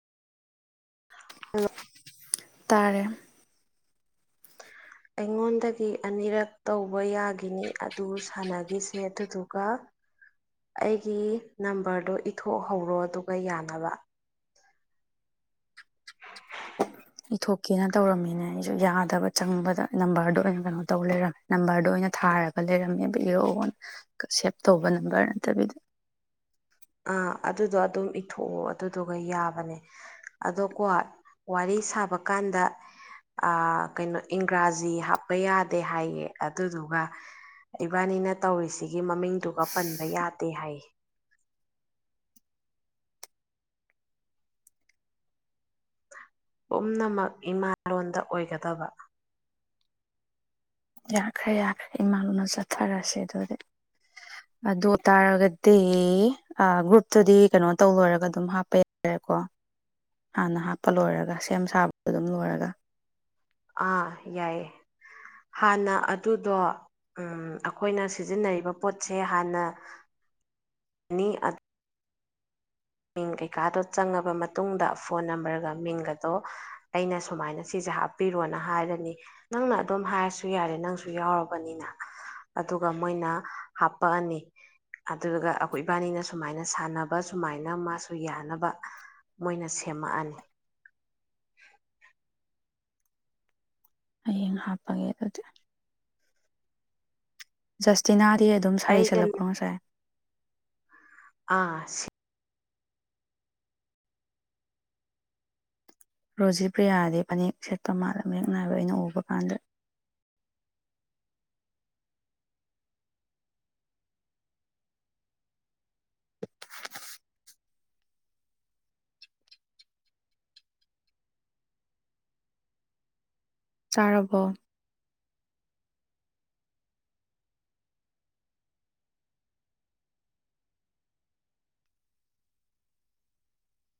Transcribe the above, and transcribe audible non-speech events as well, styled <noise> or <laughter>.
<unintelligible> ꯇꯥꯔꯦ ꯑꯩꯉꯣꯟꯗꯒꯤ ꯑꯅꯤꯔꯛ ꯇꯧꯕ ꯌꯥꯒꯤꯅꯤ ꯑꯗꯨ ꯁꯥꯟꯅꯒꯤꯁ‌ꯦ ꯑꯗꯨꯗꯨꯒ ꯑꯩꯒꯤ ꯅꯝꯕꯔꯗꯣ ꯏꯊꯣꯛꯍꯧꯔꯣ ꯑꯗꯨꯒ ꯌꯥꯅꯕ ꯏ ꯊꯣꯛꯀꯦꯅ ꯇꯧꯔꯝꯃꯤꯅꯦ ꯑꯩꯖꯨ ꯌꯥꯗꯕ ꯆꯪꯕꯗ ꯅꯝꯕꯔꯗꯣ ꯑꯣꯏꯅ ꯀꯩꯅꯣ ꯇꯧ ꯂꯩꯔꯝꯃꯦ ꯅꯝꯕꯔꯗꯣ ꯑꯣꯏꯅ ꯊꯥꯔꯒ ꯂꯩꯔꯝꯃꯦꯕ ꯏꯔꯣꯑꯣ ꯁꯦꯞ ꯇꯧꯕ ꯅꯝꯕꯔ ꯅꯠꯇꯕꯤꯗ ꯑꯥ ꯑꯗꯨꯗꯣ ꯑꯗꯨꯝ ꯏꯊꯣꯛꯑꯣ ꯑꯗꯨꯗꯨꯒ ꯌꯥꯕꯅꯦ ꯑꯗꯣꯀꯣ ꯋꯥꯔꯤ ꯁꯥꯕ ꯀꯥꯟꯗ ꯑ ꯀꯩꯅꯣ ꯏꯪꯒ꯭ꯔꯥꯖꯤ ꯍꯥꯞꯄ ꯌꯥꯗꯦ ꯍꯥꯏꯌꯦ ꯑꯗꯨꯗꯨꯒ ꯏꯕꯥꯅꯤꯅ ꯇꯧꯔꯤꯁꯤꯒꯤ ꯃꯃꯤꯡꯗꯨꯒ ꯄꯟꯕ ꯌꯥꯗꯦ ꯍꯥꯏꯌꯦ ꯄꯨꯝꯅꯃꯛ ꯏꯃꯥꯂꯣꯟꯗ ꯑꯣꯏꯒꯗꯕ ꯌꯥꯈ꯭ꯔꯦ ꯌꯥꯈ꯭ꯔꯦ ꯏꯃꯥ ꯂ‌ꯣꯅ ꯆꯠꯊꯔꯁꯦ ꯑꯗꯨꯗꯤ ꯑꯗꯨ ꯇꯥꯔꯒꯗꯤ ꯑ ꯒ꯭ꯔꯨꯞꯇꯗꯤ ꯀꯩꯅꯣ ꯇꯧ ꯂꯣꯏꯔꯒ ꯑꯗꯨꯝ ꯍꯥꯞꯄ ꯌꯥꯔꯦꯀꯣ ꯍꯥꯟꯅ ꯍꯥꯞꯄ ꯂꯣꯏꯔꯒ ꯁꯦꯝ ꯁꯥꯕꯗ‌ꯣ ꯑꯗꯨꯝ ꯂꯣꯏꯔꯒ ꯑꯥ ꯌꯥꯏꯌꯦ ꯍꯥꯟꯅ ꯑꯗꯨꯗꯣ ꯎꯝ ꯑꯩꯈꯣꯏꯅ ꯁꯤꯖꯤꯟꯅꯔꯤꯕ ꯄꯣꯠꯁꯦ ꯍꯥꯟꯅ ꯃꯤ ꯃꯤꯡ ꯀꯩꯀꯥꯗꯣ ꯆꯪꯉꯕ ꯃꯇꯨꯡꯗ ꯐꯣꯟ ꯅꯝꯕꯔꯒ ꯃꯤꯡꯒꯗꯣ ꯑꯩꯅ ꯁꯨꯃꯥꯏꯅ ꯁꯤꯁꯦ ꯍꯥꯞꯄꯤꯔꯣꯅ ꯍꯥꯏꯔꯅꯤ ꯅꯪꯅ ꯑꯗꯨꯝ ꯍꯥꯏꯔꯁꯨ ꯌꯥꯔꯦ ꯅꯪꯁꯨ ꯌꯥꯎꯔꯕꯅꯤꯅ ꯑꯗꯨꯒ ꯃꯣꯏꯅ ꯍꯄꯥ ꯑꯅꯤ ꯑꯗꯨꯗꯨꯒ ꯑꯩꯈꯣꯏ ꯏꯕꯥꯅꯤꯅ ꯁꯨꯃꯥꯏꯅ ꯁꯥꯟꯅꯕ ꯁꯨꯃꯥꯏꯅ ꯍꯥꯏꯅ ꯃꯥꯁꯨ ꯌꯥꯅꯕ ꯃꯣꯏꯅ ꯁꯦꯝꯃꯛꯑꯅꯤ <inaudible> ꯍꯌꯦꯡ ꯍꯥꯞꯄꯒꯦ ꯑꯗꯨꯗꯤ ꯖꯁꯇꯤꯅꯥꯗꯤ ꯑꯗꯨꯝ ꯁꯥꯔꯤ ꯑꯩꯒ ꯁ‌ꯦꯠꯂꯛꯄ꯭ꯔꯣ ꯉꯁꯥꯏ ꯑꯥ ꯁ‌‌ꯦ ꯔꯣꯖꯤ ꯄ꯭ꯔꯤꯌꯥꯗꯤ ꯐꯅꯦꯛ ꯁꯦꯠꯄ ꯃꯥꯜꯂ ꯃꯌꯦꯛ ꯅꯥꯏꯕ ꯑꯩꯅ ꯎꯕ ꯀꯥꯟꯗ ꯆꯥꯔꯕꯣ